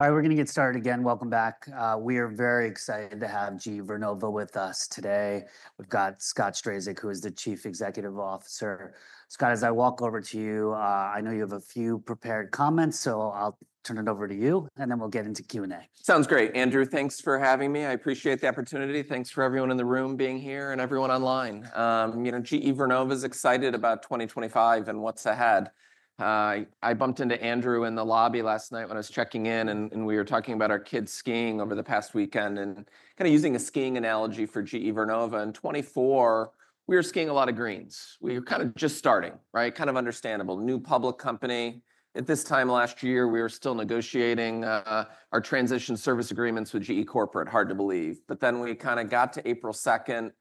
We're going to get started again. Welcome back. We are very excited to have GE Vernova with us today. We've got Scott Strazik, who is the Chief Executive Officer. Scott, as I walk over to you, I know you have a few prepared comments, so I'll turn it over to you, and then we'll get into Q&A. Sounds great, Andrew. Thanks for having me. I appreciate the opportunity. Thanks for everyone in the room being here and everyone online. GE Vernova is excited about 2025 and what's ahead. I bumped into Andrew in the lobby last night when I was checking in, and we were talking about our kids skiing over the past weekend and kind of using a skiing analogy for GE Vernova. In 2024, we were skiing a lot of greens. We were kind of just starting, right? Kind of understandable. New public company. At this time last year, we were still negotiating our transition service agreements with GE Corporate. Hard to believe, but then we kind of got to April 2nd,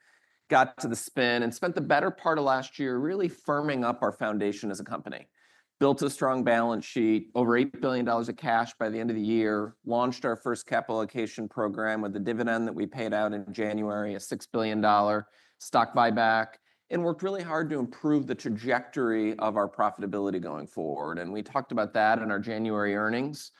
got to the spin, and spent the better part of last year really firming up our foundation as a company. Built a strong balance sheet, over $8 billion of cash by the end of the year, launched our first capital allocation program with a dividend that we paid out in January, a $6 billion stock buyback, and worked really hard to improve the trajectory of our profitability going forward. And we talked about that in our January earnings.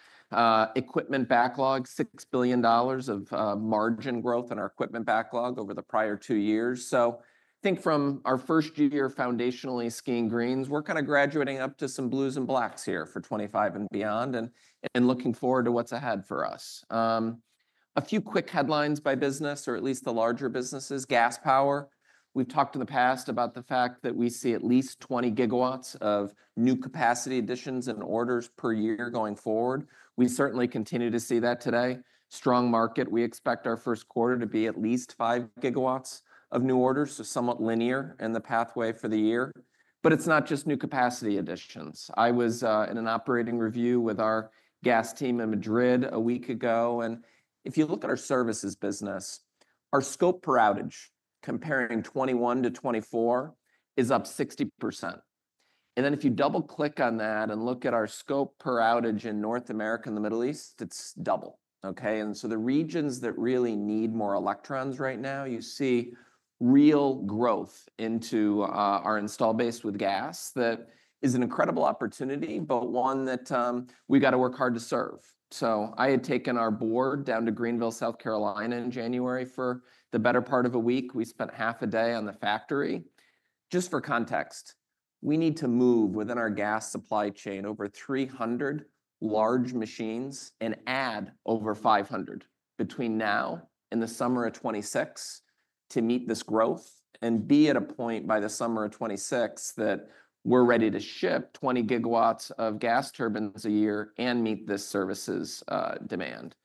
Equipment backlog, $6 billion of margin growth in our equipment backlog over the prior two years. So I think from our first year foundationally skiing greens, we're kind of graduating up to some blues and blacks here for 2025 and beyond, and looking forward to what's ahead for us. A few quick headlines by business, or at least the larger businesses: gas power. We've talked in the past about the fact that we see at least 20 GW of new capacity additions and orders per year going forward. We certainly continue to see that today. Strong market. We expect our first quarter to be at least 5 GW of new orders, so somewhat linear in the pathway for the year. But it's not just new capacity additions. I was in an operating review with our gas team in Madrid a week ago, and if you look at our services business, our scope per outage comparing 2021 to 2024 is up 60%. And then if you double-click on that and look at our scope per outage in North America and the Middle East, it's double. Okay? And so the regions that really need more electrons right now, you see real growth into our install base with gas. That is an incredible opportunity, but one that we've got to work hard to serve. So I had taken our board down to Greenville, South Carolina, in January for the better part of a week. We spent half a day on the factory. Just for context, we need to move within our gas supply chain over 300 large machines and add over 500 between now and the summer of 2026 to meet this growth and be at a point by the summer of 2026 that we're ready to ship 20 GW of gas turbines a year and meet this services demand.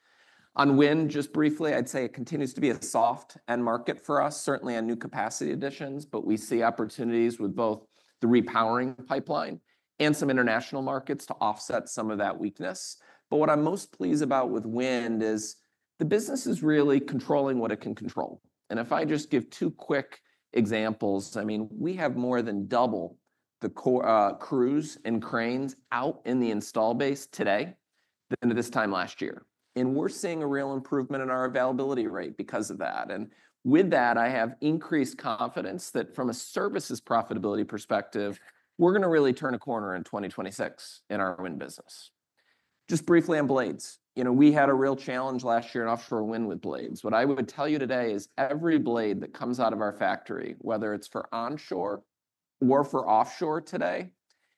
On wind, just briefly, I'd say it continues to be a soft end market for us, certainly on new capacity additions, but we see opportunities with both the repowering pipeline and some international markets to offset some of that weakness. But what I'm most pleased about with wind is the business is really controlling what it can control. If I just give two quick examples, I mean, we have more than double the crews and cranes out in the install base today than at this time last year. We're seeing a real improvement in our availability rate because of that. With that, I have increased confidence that from a services profitability perspective, we're going to really turn a corner in 2026 in our wind business. Just briefly on blades, you know, we had a real challenge last year in offshore wind with blades. What I would tell you today is every blade that comes out of our factory, whether it's for onshore or for offshore today,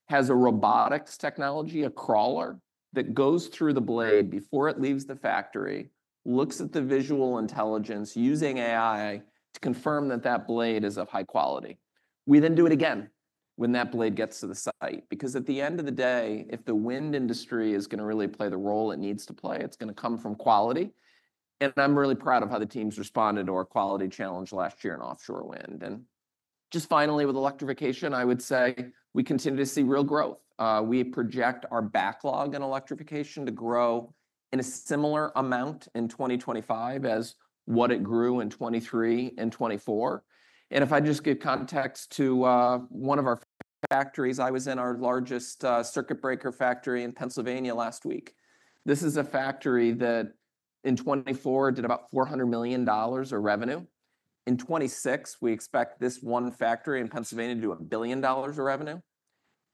has a robotics technology, a crawler that goes through the blade before it leaves the factory, looks at the visual intelligence using AI to confirm that that blade is of high quality. We then do it again when that blade gets to the site. Because at the end of the day, if the wind industry is going to really play the role it needs to play, it's going to come from quality. And I'm really proud of how the teams responded to our quality challenge last year in offshore wind. And just finally, with electrification, I would say we continue to see real growth. We project our backlog in electrification to grow in a similar amount in 2025 as what it grew in 2023 and 2024. And if I just give context to one of our factories, I was in our largest circuit breaker factory in Pennsylvania last week. This is a factory that in 2024 did about $400 million of revenue. In 2026, we expect this one factory in Pennsylvania to do $1 billion of revenue.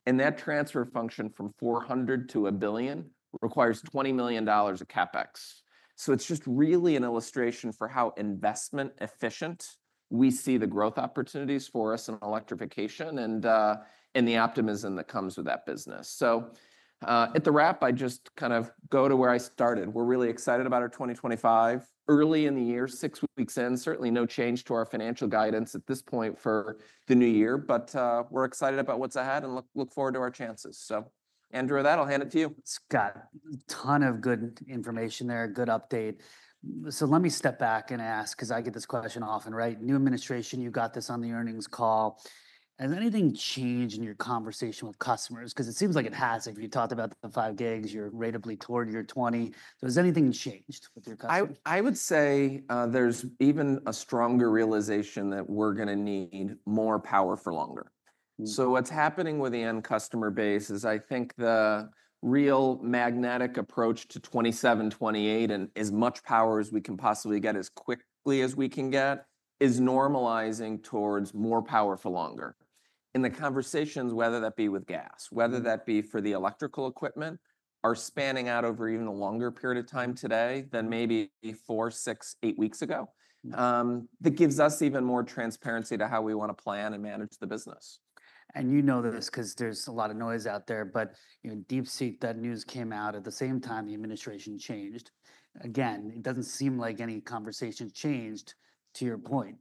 And that transfer function from 400 to a billion requires $20 million of CapEx. So it's just really an illustration for how investment efficient we see the growth opportunities for us in electrification and the optimism that comes with that business. So at the wrap, I just kind of go to where I started. We're really excited about our 2025, early in the year, six weeks in. Certainly no change to our financial guidance at this point for the new year, but we're excited about what's ahead and look forward to our chances. So Andrew, with that, I'll hand it to you. Scott, a ton of good information there, good update. So let me step back and ask, because I get this question often, right? New administration, you got this on the earnings call. Has anything changed in your conversation with customers? Because it seems like it has. If you talked about the 5 gigs, you're ratably toward your 20. So has anything changed with your customers? I would say there's even a stronger realization that we're going to need more power for longer. So what's happening with the end customer base is I think the real magnetic approach to 2027, 2028, and as much power as we can possibly get as quickly as we can get is normalizing towards more power for longer. In the conversations, whether that be with gas, whether that be for the electrical equipment, are spanning out over even a longer period of time today than maybe four, six, eight weeks ago. That gives us even more transparency to how we want to plan and manage the business. You know this because there's a lot of noise out there, but DeepSeek, that news came out at the same time the administration changed. Again, it doesn't seem like any conversation changed to your point.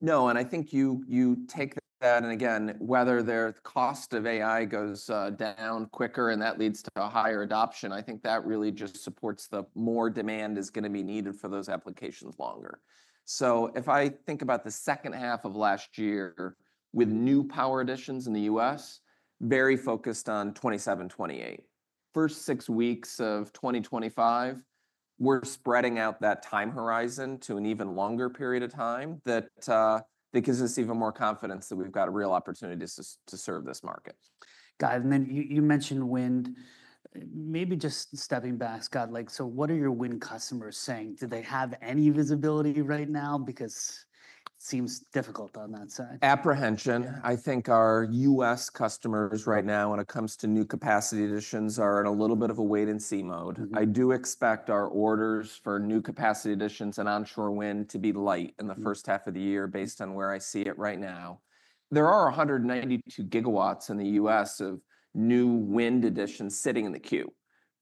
No, and I think you take that, and again, whether their cost of AI goes down quicker and that leads to a higher adoption, I think that really just supports the more demand is going to be needed for those applications longer. So if I think about the second half of last year with new power additions in the U.S., very focused on 2027, 2028. First six weeks of 2025, we're spreading out that time horizon to an even longer period of time that gives us even more confidence that we've got a real opportunity to serve this market. Got it. And then you mentioned wind. Maybe just stepping back, Scott, like so what are your wind customers saying? Do they have any visibility right now? Because it seems difficult on that side. Apprehension. I think our U.S. customers right now, when it comes to new capacity additions, are in a little bit of a wait-and-see mode. I do expect our orders for new capacity additions and onshore wind to be light in the first half of the year based on where I see it right now. There are 192 GW in the U.S. of new wind additions sitting in the queue,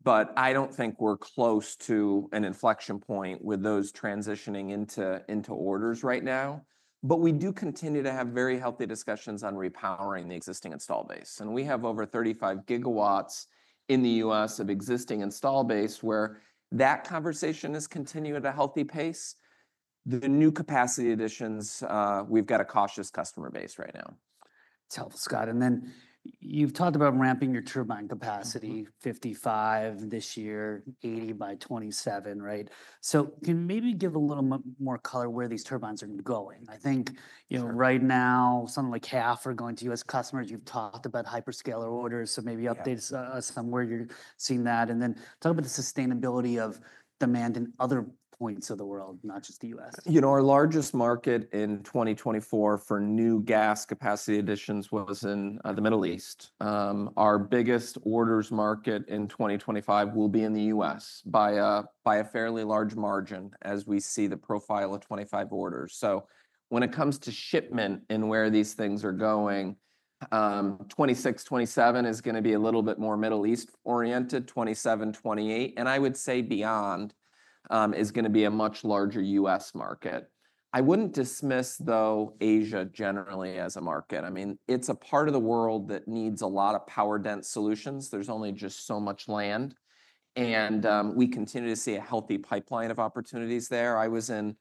but I don't think we're close to an inflection point with those transitioning into orders right now. But we do continue to have very healthy discussions on repowering the existing install base. And we have over 35 GW in the U.S. of existing install base where that conversation is continuing at a healthy pace. The new capacity additions, we've got a cautious customer base right now. Tell us, Scott. And then you've talked about ramping your turbine capacity, 55 this year, 80 by 2027, right? So can you maybe give a little more color where these turbines are going? I think, you know, right now, something like half are going to U.S. customers. You've talked about hyperscaler orders, so maybe update us on where you're seeing that. And then talk about the sustainability of demand in other points of the world, not just the U.S. You know, our largest market in 2024 for new gas capacity additions was in the Middle East. Our biggest orders market in 2025 will be in the U.S. by a fairly large margin as we see the profile of 25 orders. So when it comes to shipment and where these things are going, 2026, 2027 is going to be a little bit more Middle East oriented, 2027, 2028, and I would say beyond is going to be a much larger U.S. market. I wouldn't dismiss though Asia generally as a market. I mean, it's a part of the world that needs a lot of power-dense solutions. There's only just so much land. And we continue to see a healthy pipeline of opportunities there. I was in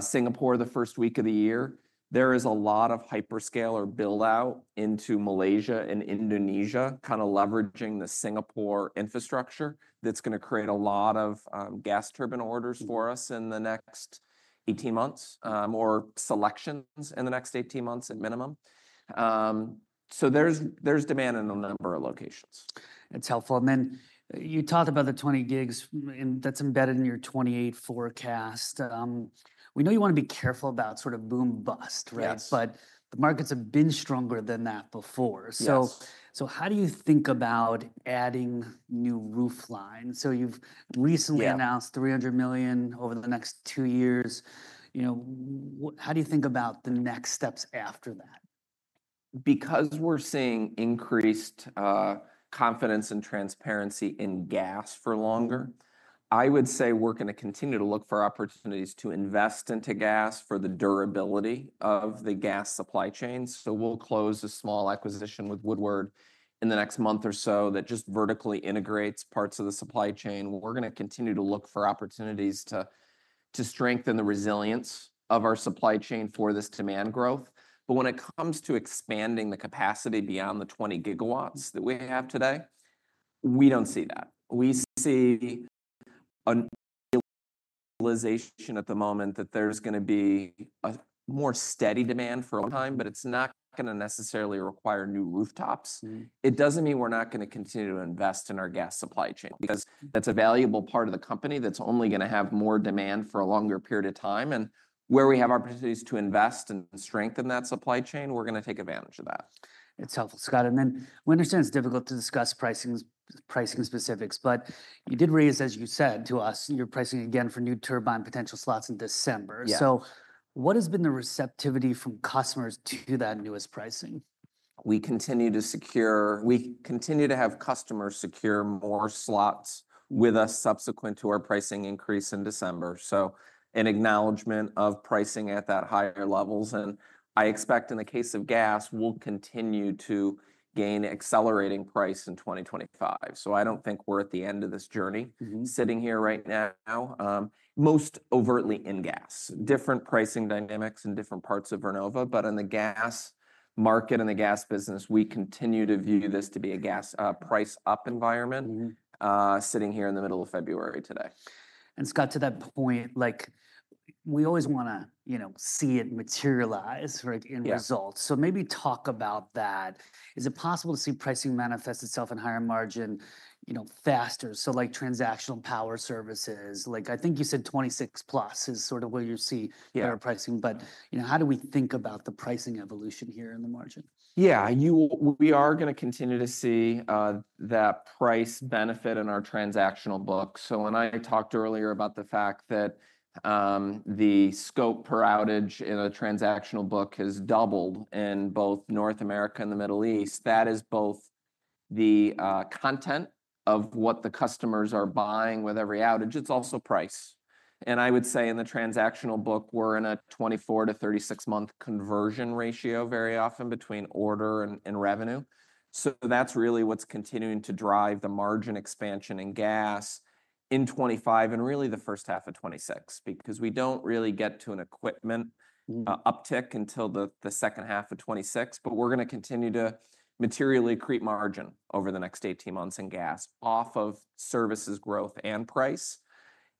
Singapore the first week of the year. There is a lot of hyperscaler buildout into Malaysia and Indonesia kind of leveraging the Singapore infrastructure that's going to create a lot of gas turbine orders for us in the next 18 months or selections in the next 18 months at minimum. So there's demand in a number of locations. It's helpful. And then you talked about the 20 GW that's embedded in your 2028 forecast. We know you want to be careful about sort of boom-bust, right? But the markets have been stronger than that before. So how do you think about adding new production lines? So you've recently announced $300 million over the next two years. You know, how do you think about the next steps after that? Because we're seeing increased confidence and transparency in gas for longer, I would say we're going to continue to look for opportunities to invest into gas for the durability of the gas supply chain. So we'll close a small acquisition with Woodward in the next month or so that just vertically integrates parts of the supply chain. We're going to continue to look for opportunities to strengthen the resilience of our supply chain for this demand growth. But when it comes to expanding the capacity beyond the 20 GW that we have today, we don't see that. We see a realization at the moment that there's going to be a more steady demand for a long time, but it's not going to necessarily require new rooftops. It doesn't mean we're not going to continue to invest in our gas supply chain because that's a valuable part of the company that's only going to have more demand for a longer period of time. And where we have opportunities to invest and strengthen that supply chain, we're going to take advantage of that. It's helpful, Scott. And then we understand it's difficult to discuss pricing specifics, but you did raise, as you said to us, your pricing again for new turbine potential slots in December. So what has been the receptivity from customers to that newest pricing? We continue to secure. We continue to have customers secure more slots with us subsequent to our pricing increase in December, so an acknowledgment of pricing at that higher levels, and I expect in the case of gas, we'll continue to gain accelerating price in 2025, so I don't think we're at the end of this journey sitting here right now, most overtly in gas, different pricing dynamics in different parts of GE Vernova. But on the gas market and the gas business, we continue to view this to be a gas price up environment sitting here in the middle of February today. And Scott, to that point, like we always want to, you know, see it materialize in results. So maybe talk about that. Is it possible to see pricing manifest itself in higher margin, you know, faster? So like transactional power services, like I think you said 26+ is sort of what you see in our pricing, but you know, how do we think about the pricing evolution here in the margin? Yeah, we are going to continue to see that price benefit in our transactional book. So when I talked earlier about the fact that the scope per outage in a transactional book has doubled in both North America and the Middle East, that is both the content of what the customers are buying with every outage, it's also price. And I would say in the transactional book, we're in a 24- to 36-month conversion ratio very often between order and revenue. So that's really what's continuing to drive the margin expansion in gas in 2025 and really the first half of 2026 because we don't really get to an equipment uptick until the second half of 2026, but we're going to continue to materially create margin over the next 18 months in gas off of services growth and price.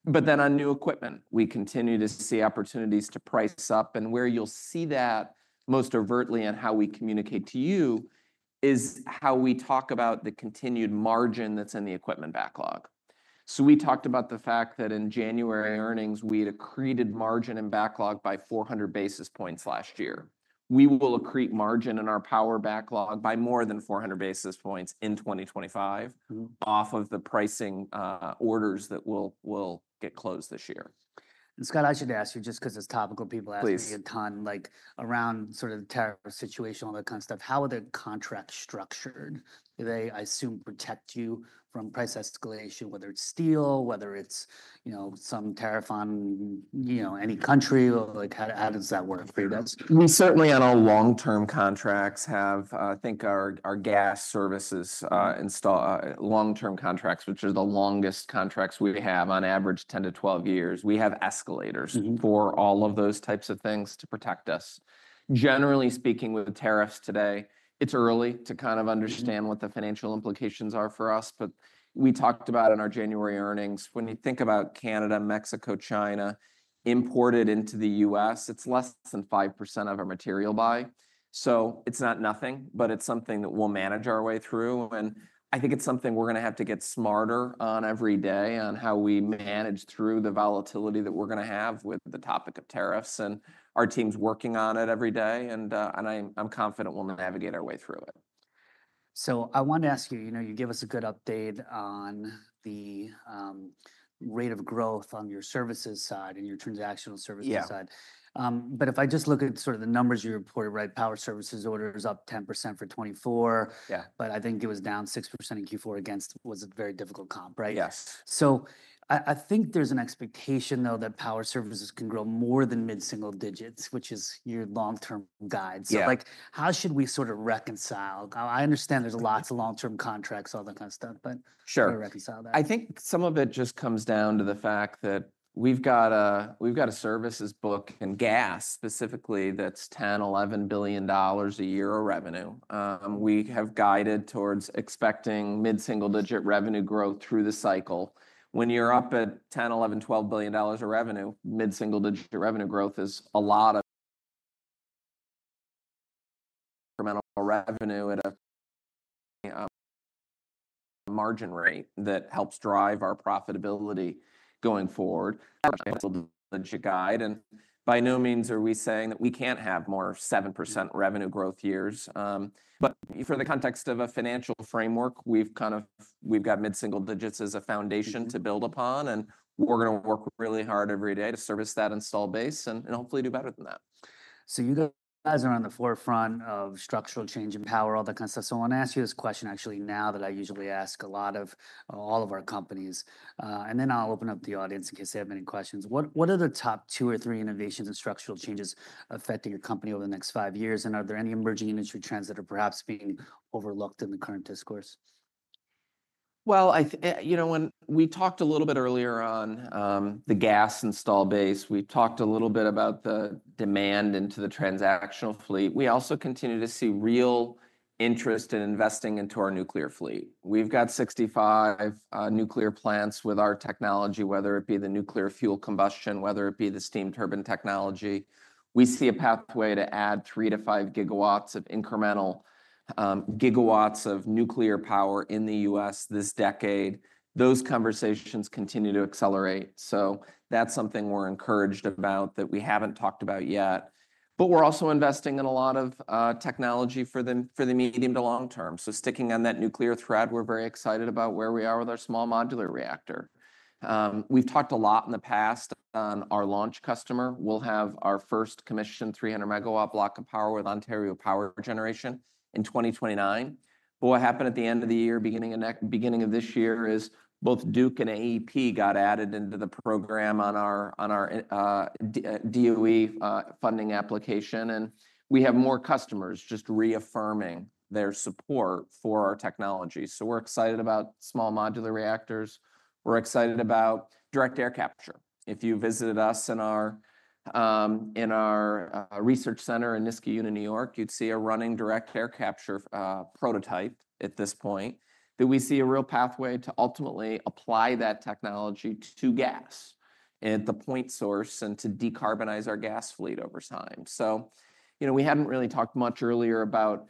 But then on new equipment, we continue to see opportunities to price up.V where you'll see that most overtly in how we communicate to you is how we talk about the continued margin that's in the equipment backlog. So we talked about the fact that in January earnings, we'd accreted margin and backlog by 400 basis points last year. We will accrete margin in our power backlog by more than 400 basis points in 2025 off of the pricing orders that will get closed this year. And Scott, I should ask you just because it's topical. People ask me a ton like around sort of the tariff situation, all that kind of stuff. How are the contracts structured? Do they, I assume, protect you from price escalation, whether it's steel, whether it's, you know, some tariff on, you know, any country? Like how does that work for you guys? We certainly, on our long-term contracts, have. I think our gas services installed long-term contracts, which are the longest contracts we have, on average 10-12 years. We have escalators for all of those types of things to protect us. Generally speaking with tariffs today, it's early to kind of understand what the financial implications are for us, but we talked about in our January earnings, when you think about Canada, Mexico, China, imported into the US, it's less than 5% of our material buy. So it's not nothing, but it's something that we'll manage our way through. And I think it's something we're going to have to get smarter on every day on how we manage through the volatility that we're going to have with the topic of tariffs. And our team's working on it every day. And I'm confident we'll navigate our way through it. I wanted to ask you, you know, you gave us a good update on the rate of growth on your services side and your transactional services side. But if I just look at sort of the numbers you reported, right? Power services orders up 10% for 2024, but I think it was down 6% in Q4 against what was a very difficult comp, right? Yes. So I think there's an expectation though that power services can grow more than mid-single digits, which is your long-term guide. So like how should we sort of reconcile? I understand there's lots of long-term contracts, all that kind of stuff, but how do we reconcile that? Sure. I think some of it just comes down to the fact that we've got a services book in gas specifically that's $10-$11 billion a year of revenue. We have guided towards expecting mid-single digit revenue growth through the cycle. When you're up at $10-$11-$12 billion of revenue, mid-single digit revenue growth is a lot of incremental revenue at a margin rate that helps drive our profitability going forward. That's helpful. Digital guide. And by no means are we saying that we can't have more 7% revenue growth years. But for the context of a financial framework, we've kind of, we've got mid-single digits as a foundation to build upon. And we're going to work really hard every day to service that install base and hopefully do better than that. So you guys are on the forefront of structural change in power, all that kind of stuff. So I want to ask you this question actually now that I usually ask a lot of all of our companies. And then I'll open up the audience in case they have any questions. What are the top two or three innovations and structural changes affecting your company over the next five years? And are there any emerging industry trends that are perhaps being overlooked in the current discourse? Well, you know, when we talked a little bit earlier on the gas install base, we talked a little bit about the demand into the transactional fleet. We also continue to see real interest in investing into our nuclear fleet. We've got 65 nuclear plants with our technology, whether it be the nuclear fuel combustion, whether it be the steam turbine technology. We see a pathway to add three to five gigawatts of incremental gigawatts of nuclear power in the U.S. this decade. Those conversations continue to accelerate. That's something we're encouraged about that we haven't talked about yet. We're also investing in a lot of technology for the medium to long term. Sticking on that nuclear thread, we're very excited about where we are with our small modular reactor. We've talked a lot in the past on our launch customer. We'll have our first commissioned 300-megawatt block of power with Ontario Power Generation in 2029. But what happened at the end of the year, beginning of this year, is both Duke Energy and American Electric Power got added into the program on our DOE funding application. And we have more customers just reaffirming their support for our technology. So we're excited about small modular reactors. We're excited about direct air capture. If you visited us in our research center in Niskayuna, New York, you'd see a running direct air capture prototype at this point. That we see a real pathway to ultimately apply that technology to gas at the point source and to decarbonize our gas fleet over time. So, you know, we hadn't really talked much earlier about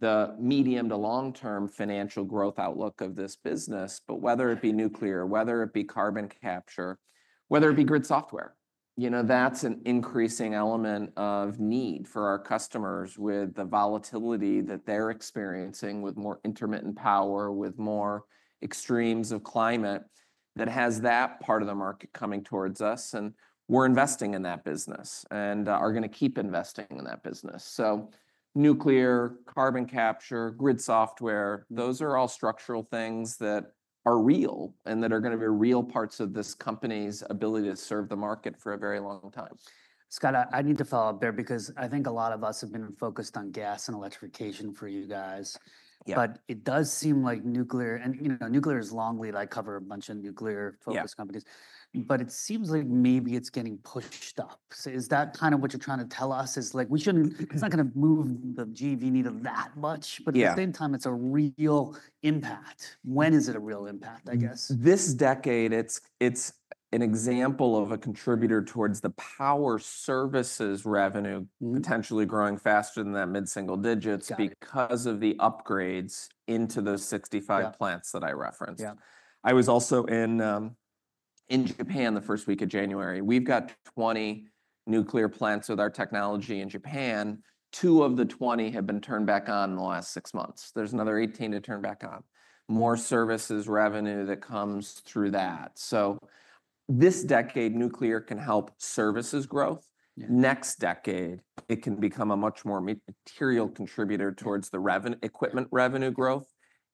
the medium to long-term financial growth outlook of this business, but whether it be nuclear, whether it be carbon capture, whether it be grid software, you know, that's an increasing element of need for our customers with the volatility that they're experiencing with more intermittent power, with more extremes of climate that has that part of the market coming towards us. And we're investing in that business and are going to keep investing in that business. So nuclear, carbon capture, grid software, those are all structural things that are real and that are going to be real parts of this company's ability to serve the market for a very long time. Scott, I need to follow up there because I think a lot of us have been focused on gas and electrification for you guys. But it does seem like nuclear and, you know, nuclear is long lead. I cover a bunch of nuclear-focused companies. But it seems like maybe it's getting pushed up. So is that kind of what you're trying to tell us? It's like we shouldn't, it's not going to move the GV needle that much, but at the same time, it's a real impact. When is it a real impact, I guess? This decade, it's an example of a contributor towards the power services revenue potentially growing faster than that mid-single digits because of the upgrades into those 65 plants that I referenced. I was also in Japan the first week of January. We've got 20 nuclear plants with our technology in Japan. Two of the 20 have been turned back on in the last six months. There's another 18 to turn back on. More services revenue that comes through that. So this decade, nuclear can help services growth. Next decade, it can become a much more material contributor towards the equipment revenue growth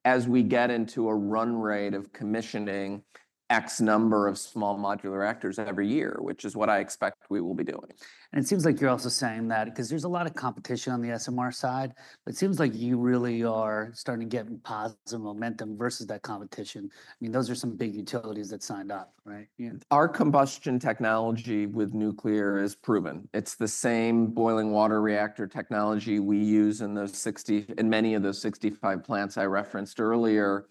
as we get into a run rate of commissioning X number of small modular reactors every year, which is what I expect we will be doing. It seems like you're also saying that because there's a lot of competition on the SMR side, but it seems like you really are starting to get positive momentum versus that competition. I mean, those are some big utilities that signed up, right? Our combustion technology with nuclear is proven. It's the same boiling water reactor technology we use in those 60, in many of those 65 plants I referenced earlier.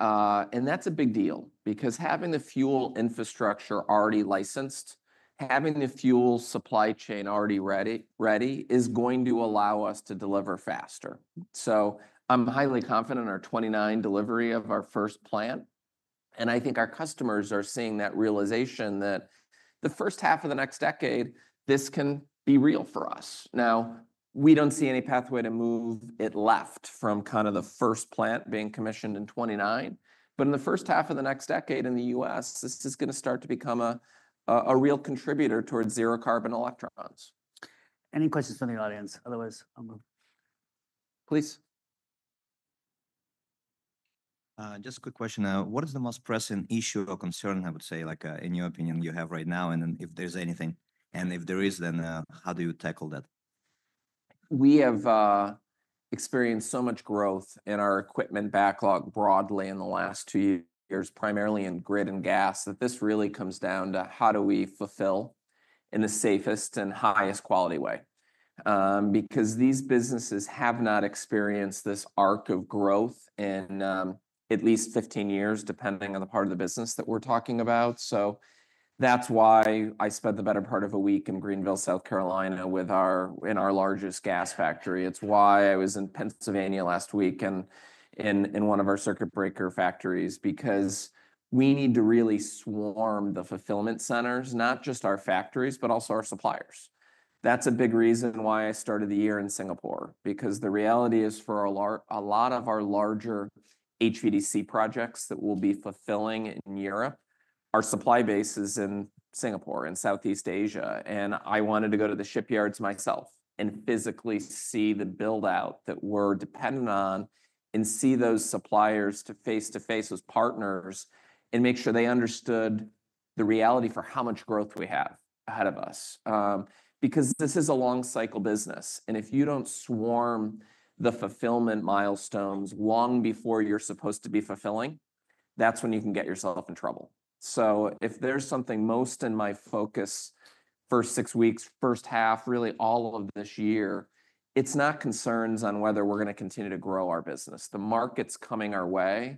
And that's a big deal because having the fuel infrastructure already licensed, having the fuel supply chain already ready is going to allow us to deliver faster. So I'm highly confident in our 2029 delivery of our first plant. And I think our customers are seeing that realization that the first half of the next decade, this can be real for us. Now, we don't see any pathway to move it left from kind of the first plant being commissioned in 2029. But in the first half of the next decade in the U.S., this is going to start to become a real contributor towards zero carbon electrons. Any questions from the audience? Otherwise, I'll move. Please. Just a quick question. What is the most pressing issue or concern, I would say, like in your opinion, you have right now? And if there's anything, and if there is, then how do you tackle that? We have experienced so much growth in our equipment backlog broadly in the last two years, primarily in grid and gas, that this really comes down to how do we fulfill in the safest and highest quality way? Because these businesses have not experienced this arc of growth in at least 15 years, depending on the part of the business that we're talking about. So that's why I spent the better part of a week in Greenville, South Carolina, with our largest gas factory. It's why I was in Pennsylvania last week and in one of our circuit breaker factories because we need to really swarm the fulfillment centers, not just our factories, but also our suppliers. That's a big reason why I started the year in Singapore because the reality is for a lot of our larger HVDC projects that we'll be fulfilling in Europe, our supply base is in Singapore and Southeast Asia, and I wanted to go to the shipyards myself and physically see the buildout that we're dependent on and see those suppliers face to face as partners and make sure they understood the reality for how much growth we have ahead of us. Because this is a long-cycle business, and if you don't swarm the fulfillment milestones long before you're supposed to be fulfilling, that's when you can get yourself in trouble, so if there's something most in my focus first six weeks, first half, really all of this year, it's not concerns on whether we're going to continue to grow our business, the market's coming our way.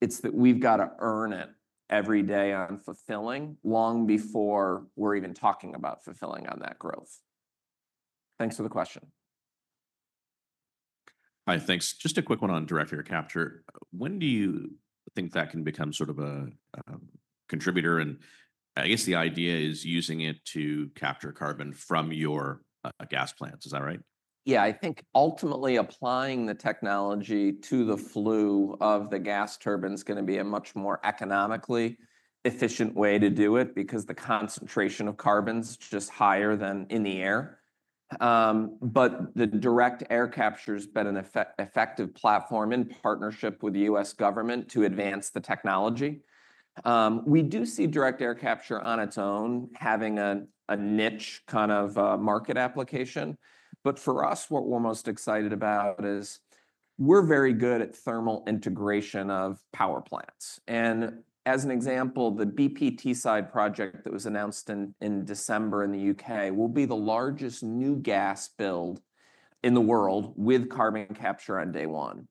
It's that we've got to earn it every day on fulfilling long before we're even talking about fulfilling on that growth. Thanks for the question. Hi, thanks. Just a quick one on direct air capture. When do you think that can become sort of a contributor? And I guess the idea is using it to capture carbon from your gas plants. Is that right? Yeah, I think ultimately applying the technology to the flue of the gas turbine is going to be a much more economically efficient way to do it because the concentration of carbon is just higher than in the air. But the direct air capture has been an effective platform in partnership with the U.S. government to advance the technology. We do see direct air capture on its own having a niche kind of market application. But for us, what we're most excited about is we're very good at thermal integration of power plants. And as an example, the Teesside project that was announced in December in the U.K. will be the largest new gas build in the world with carbon capture on day one.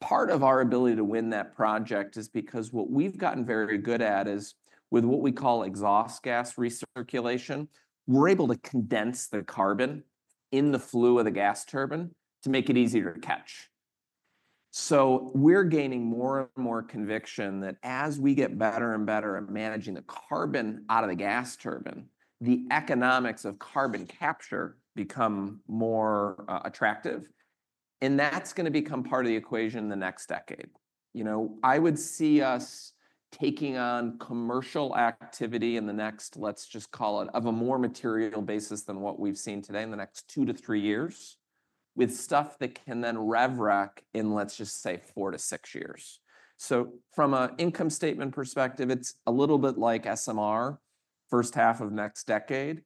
Part of our ability to win that project is because what we've gotten very good at is with what we call exhaust gas recirculation. We're able to condense the carbon in the flue of the gas turbine to make it easier to catch, so we're gaining more and more conviction that as we get better and better at managing the carbon out of the gas turbine, the economics of carbon capture become more attractive, and that's going to become part of the equation in the next decade. You know, I would see us taking on commercial activity in the next, let's just call it, on a more material basis than what we've seen today in the next two to three years with stuff that can then rack up revenue in, let's just say, four to six years, so from an income statement perspective, it's a little bit like SMR, first half of next decade.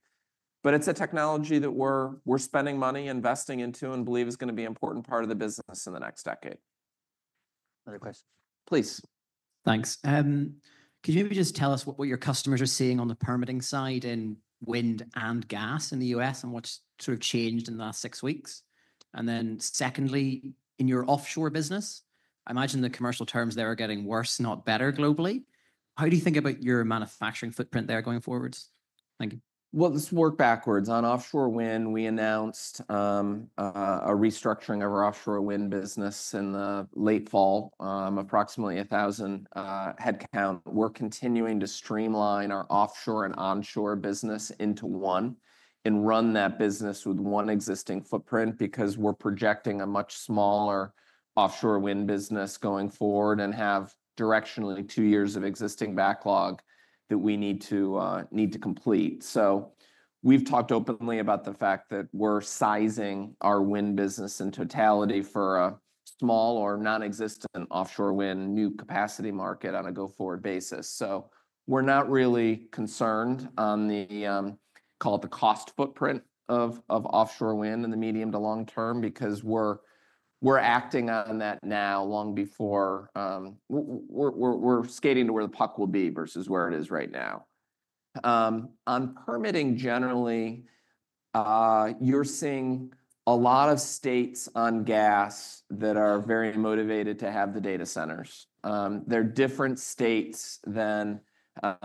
But it's a technology that we're spending money investing into and believe is going to be an important part of the business in the next decade. Another question. Please. Thanks. Could you maybe just tell us what your customers are seeing on the permitting side in wind and gas in the U.S. and what's sort of changed in the last six weeks? And then secondly, in your offshore business, I imagine the commercial terms there are getting worse, not better globally. How do you think about your manufacturing footprint there going forwards? Thank you. Let’s work backwards. On offshore wind, we announced a restructuring of our offshore wind business in the late fall, approximately 1,000 headcount. We’re continuing to streamline our offshore and onshore business into one and run that business with one existing footprint because we’re projecting a much smaller offshore wind business going forward and have directionally two years of existing backlog that we need to complete. So we’ve talked openly about the fact that we’re sizing our wind business in totality for a small or non-existent offshore wind new capacity market on a go-forward basis. So we’re not really concerned on the, call it, the cost footprint of offshore wind in the medium to long term because we’re acting on that now long before we’re skating to where the puck will be versus where it is right now. On permitting generally, you're seeing a lot of states on gas that are very motivated to have the data centers. They're different states than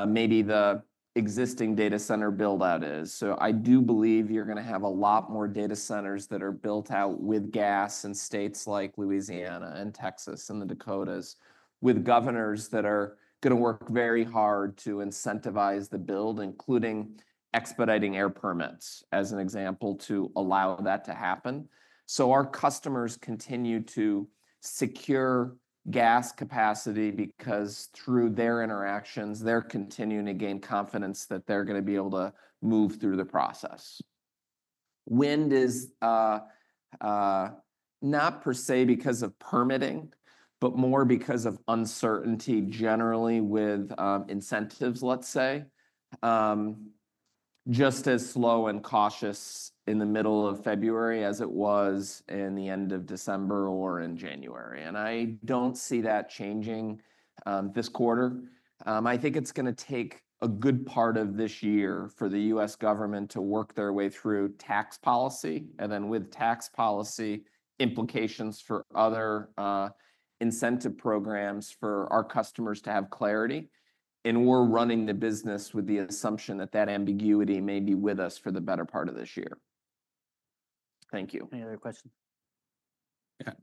maybe the existing data center buildout is, so I do believe you're going to have a lot more data centers that are built out with gas in states like Louisiana and Texas and the Dakotas with governors that are going to work very hard to incentivize the build, including expediting air permits as an example to allow that to happen, so our customers continue to secure gas capacity because through their interactions, they're continuing to gain confidence that they're going to be able to move through the process. Wind is not per se because of permitting, but more because of uncertainty generally with incentives, let's say, just as slow and cautious in the middle of February as it was in the end of December or in January, and I don't see that changing this quarter. I think it's going to take a good part of this year for the U.S. government to work their way through tax policy and then with tax policy implications for other incentive programs for our customers to have clarity, and we're running the business with the assumption that that ambiguity may be with us for the better part of this year. Thank you. Any other questions? Yeah.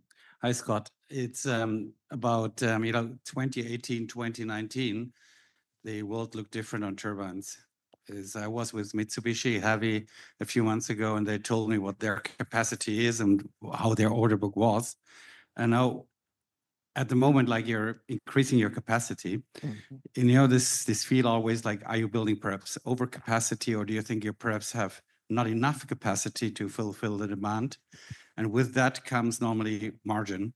Hi, Scott. It's about, you know, 2018, 2019, the world looked different on turbines. I was with Mitsubishi Heavy a few months ago and they told me what their capacity is and how their order book was. And now at the moment, like you're increasing your capacity. And you know this feel always like, are you building perhaps over capacity or do you think you perhaps have not enough capacity to fulfill the demand? And with that comes normally margin.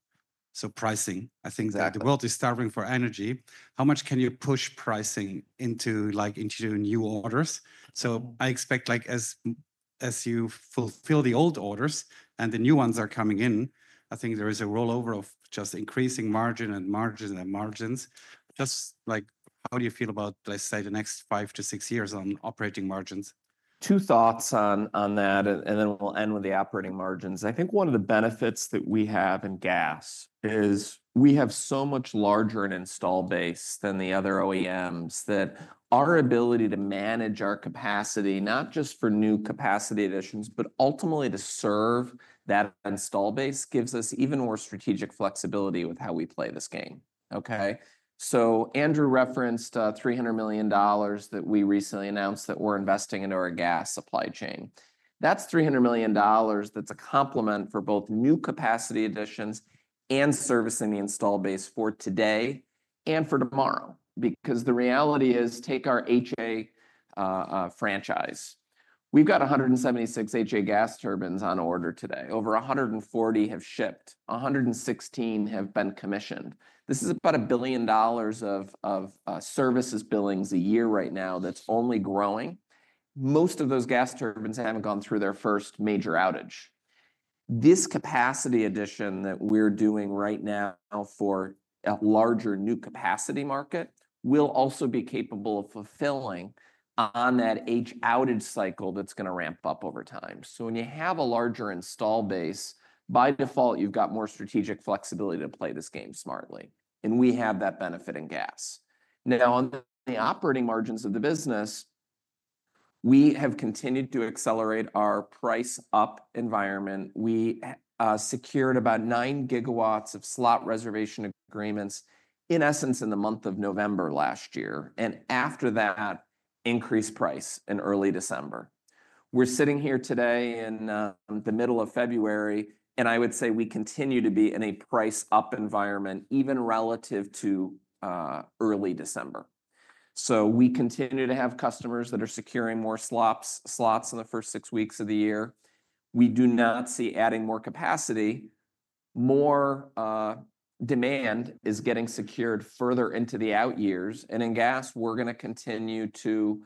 So pricing, I think that the world is starving for energy. How much can you push pricing into like into new orders? So I expect like as you fulfill the old orders and the new ones are coming in, I think there is a rollover of just increasing margin and margin and margins. Just like, how do you feel about, let's say, the next five to six years on operating margins? Two thoughts on that and then we'll end with the operating margins. I think one of the benefits that we have in gas is we have so much larger an install base than the other OEMs that our ability to manage our capacity, not just for new capacity additions, but ultimately to serve that install base gives us even more strategic flexibility with how we play this game. Okay? So Andrew referenced $300 million that we recently announced that we're investing into our gas supply chain. That's $300 million that's a complement for both new capacity additions and servicing the install base for today and for tomorrow. Because the reality is take our HA franchise. We've got 176 HA gas turbines on order today. Over 140 have shipped. 116 have been commissioned. This is about a billion dollars of services billings a year right now that's only growing. Most of those gas turbines haven't gone through their first major outage. This capacity addition that we're doing right now for a larger new capacity market will also be capable of fulfilling on that age outage cycle that's going to ramp up over time, so when you have a larger install base, by default, you've got more strategic flexibility to play this game smartly, and we have that benefit in gas. Now, on the operating margins of the business, we have continued to accelerate our price up environment. We secured about nine gigawatts of slot reservation agreements in essence in the month of November last year and after that increased price in early December. We're sitting here today in the middle of February and I would say we continue to be in a price up environment even relative to early December. So we continue to have customers that are securing more slots in the first six weeks of the year. We do not see adding more capacity. More demand is getting secured further into the out years. And in gas, we're going to continue to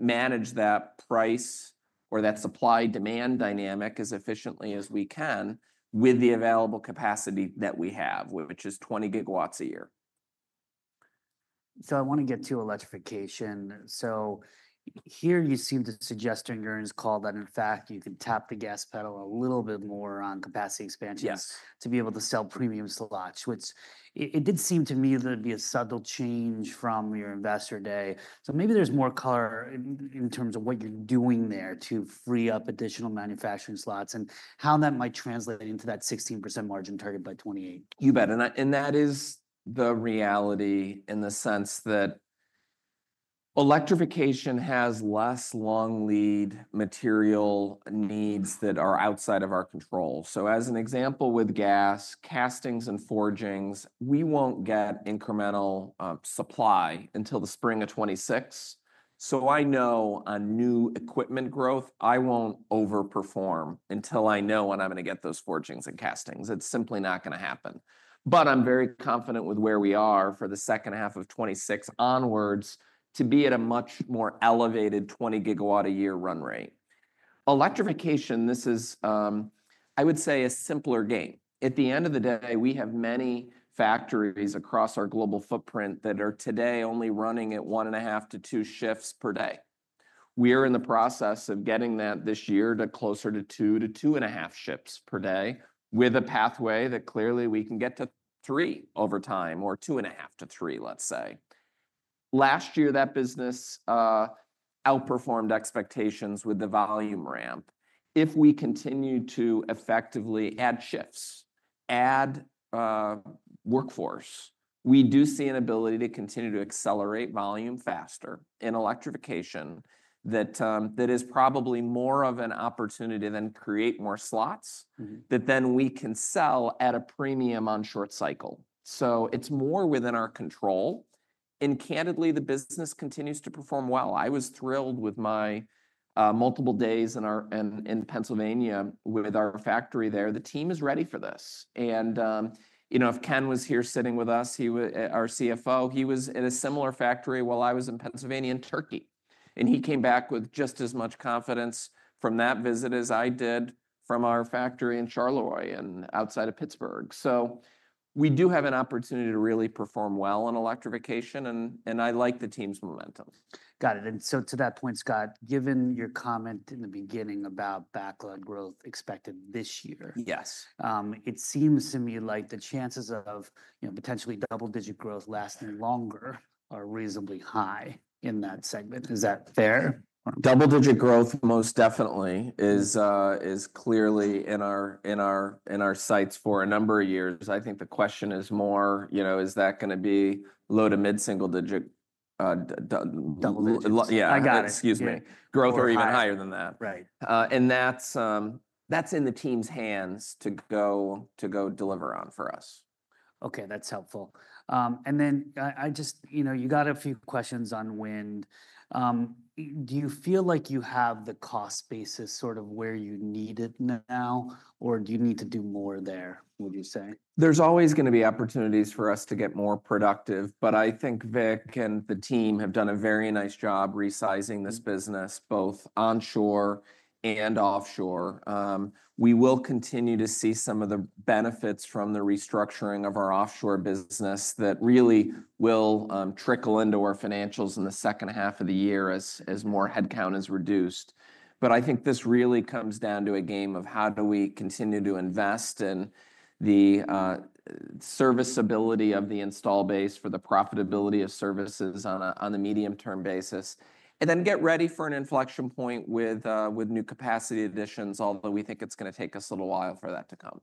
manage that price or that supply demand dynamic as efficiently as we can with the available capacity that we have, which is 20 GW a year. I want to get to electrification. Here you seem to suggest, and you're in this call, that in fact you can tap the gas pedal a little bit more on capacity expansion to be able to sell premium slots. It did seem to me that it'd be a subtle change from your investor day. Maybe there's more color in terms of what you're doing there to free up additional manufacturing slots and how that might translate into that 16% margin target by 2028. You bet. And that is the reality in the sense that electrification has less long lead material needs that are outside of our control. So as an example with gas, castings and forgings, we won't get incremental supply until the spring of 2026. So I know on new equipment growth, I won't overperform until I know when I'm going to get those forgings and castings. It's simply not going to happen. But I'm very confident with where we are for the second half of 2026 onwards to be at a much more elevated 20 gigawatt a year run rate. Electrification, this is, I would say, a simpler game. At the end of the day, we have many factories across our global footprint that are today only running at one-and-a-half-to-two shifts per day. We are in the process of getting that this year to closer to two to two and a half shifts per day with a pathway that clearly we can get to three over time or two and a half to three, let's say. Last year, that business outperformed expectations with the volume ramp. If we continue to effectively add shifts, add workforce, we do see an ability to continue to accelerate volume faster in electrification that is probably more of an opportunity than create more slots that then we can sell at a premium on short cycle. So it's more within our control, and candidly, the business continues to perform well. I was thrilled with my multiple days in Pennsylvania with our factory there. The team is ready for this. And you know, if Ken was here sitting with us, our CFO, he was at a similar factory while I was in Pennsylvania and Turkey. And he came back with just as much confidence from that visit as I did from our factory in Charleroi and outside of Pittsburgh. So we do have an opportunity to really perform well in electrification. And I like the team's momentum. Got it. And so to that point, Scott, given your comment in the beginning about backlog growth expected this year, it seems to me like the chances of potentially double-digit growth lasting longer are reasonably high in that segment. Is that fair? Double-digit growth most definitely is clearly in our sights for a number of years. I think the question is more, you know, is that going to be low to mid single digit? Double digit. Yeah, excuse me. Growth or even higher than that. And that's in the team's hands to go deliver on for us. Okay, that's helpful. And then I just, you know, you got a few questions on wind. Do you feel like you have the cost basis sort of where you need it now, or do you need to do more there, would you say? There's always going to be opportunities for us to get more productive. But I think Vic and the team have done a very nice job resizing this business both onshore and offshore. We will continue to see some of the benefits from the restructuring of our offshore business that really will trickle into our financials in the second half of the year as more headcount is reduced. But I think this really comes down to a game of how do we continue to invest in the serviceability of the install base for the profitability of services on a medium-term basis and then get ready for an inflection point with new capacity additions, although we think it's going to take us a little while for that to come.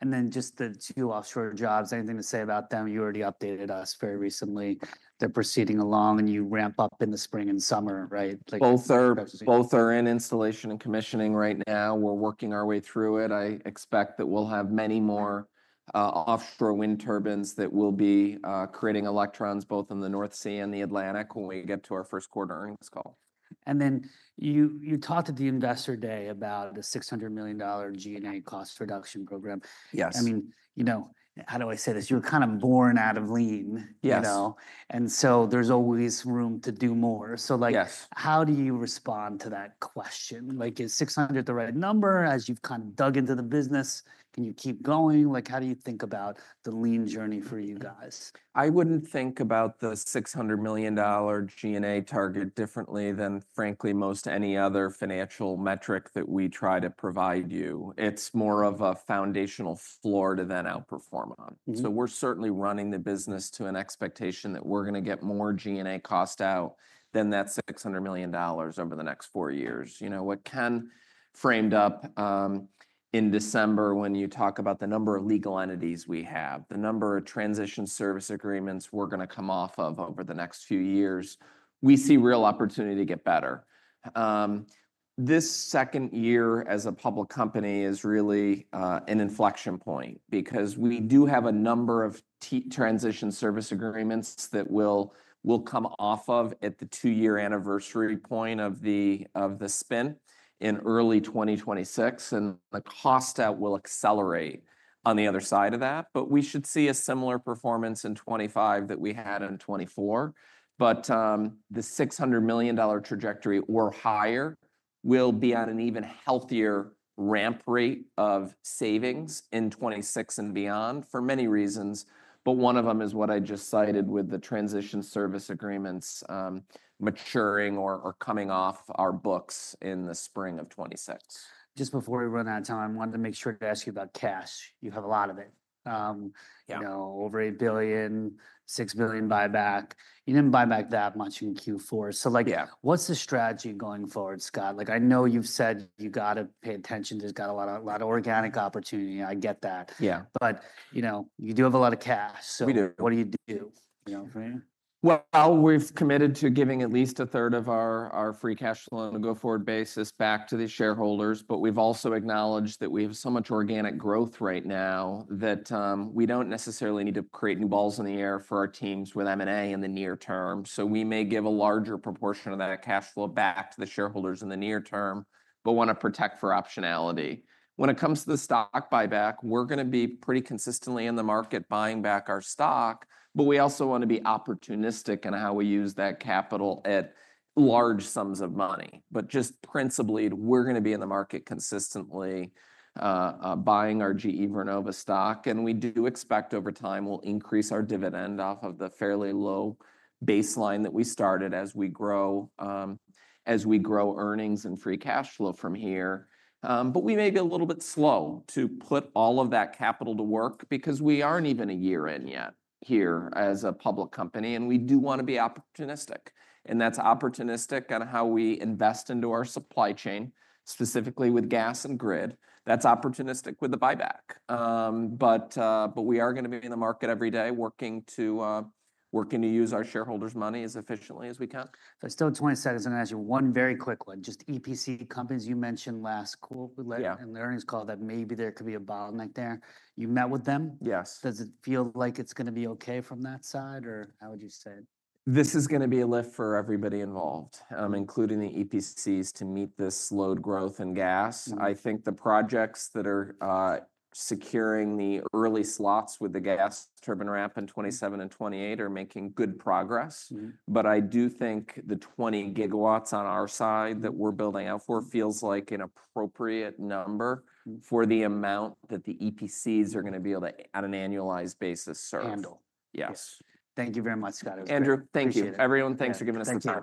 And then just the two offshore jobs, anything to say about them? You already updated us very recently. They're proceeding along and you ramp up in the spring and summer, right? Both are in installation and commissioning right now. We're working our way through it. I expect that we'll have many more offshore wind turbines that will be creating electrons both in the North Sea and the Atlantic when we get to our first quarter earnings call. And then you talked to the investor day about a $600 million G&A cost reduction program. I mean, you know, how do I say this? You're kind of born out of lean, you know? And so there's always room to do more. So like how do you respond to that question? Like is 600 the right number as you've kind of dug into the business? Can you keep going? Like how do you think about the lean journey for you guys? I wouldn't think about the $600 million G&A target differently than, frankly, most any other financial metric that we try to provide you. It's more of a foundational floor to then outperform on. So we're certainly running the business to an expectation that we're going to get more G&A cost out than that $600 million over the next four years. You know, what Ken framed up in December when you talk about the number of legal entities we have, the number of transition service agreements we're going to come off of over the next few years, we see real opportunity to get better. This second year as a public company is really an inflection point because we do have a number of transition service agreements that will come off of at the two-year anniversary point of the spin in early 2026. The cost out will accelerate on the other side of that. But we should see a similar performance in 2025 that we had in 2024. But the $600 million trajectory or higher will be on an even healthier ramp rate of savings in 2026 and beyond for many reasons. But one of them is what I just cited with the transition service agreements maturing or coming off our books in the spring of 2026. Just before we run out of time, I wanted to make sure to ask you about cash. You have a lot of it. You know, over $1 billion, $6 billion buyback. You didn't buy back that much in Q4. So like what's the strategy going forward, Scott? Like I know you've said you got to pay attention to. There's got a lot of organic opportunity. I get that. Yeah. But you know, you do have a lot of cash. So what do you do? You know what I mean? We've committed to giving at least a third of our free cash flow on a go-forward basis back to the shareholders. But we've also acknowledged that we have so much organic growth right now that we don't necessarily need to create new balls in the air for our teams with M&A in the near term. So we may give a larger proportion of that cash flow back to the shareholders in the near term, but want to protect for optionality. When it comes to the stock buyback, we're going to be pretty consistently in the market buying back our stock, but we also want to be opportunistic in how we use that capital at large sums of money. But just principally, we're going to be in the market consistently buying our GE Vernova stock. And we do expect over time we'll increase our dividend off of the fairly low baseline that we started as we grow earnings and free cash flow from here. But we may be a little bit slow to put all of that capital to work because we aren't even a year in yet here as a public company. And we do want to be opportunistic. And that's opportunistic on how we invest into our supply chain, specifically with gas and grid. That's opportunistic with the buyback. But we are going to be in the market every day working to use our shareholders' money as efficiently as we can. So I still have 20 seconds. I'm going to ask you one very quick one. Just EPC companies you mentioned last quarter in the earnings call that maybe there could be a bottleneck there. You met with them? Yes. Does it feel like it's going to be okay from that side or how would you say it? This is going to be a lift for everybody involved, including the EPCs to meet this slowed growth in gas. I think the projects that are securing the early slots with the gas turbine ramp in 2027 and 2028 are making good progress. But I do think the 20 gigawatts on our side that we're building out for feels like an appropriate number for the amount that the EPCs are going to be able to on an annualized basis serve. Handle. Yes. Thank you very much, Scott. Andrew, thank you. Everyone, thanks for giving us the time.